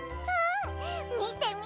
みてみて！